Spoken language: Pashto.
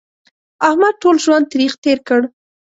احمد ټول ژوند تریخ تېر کړ.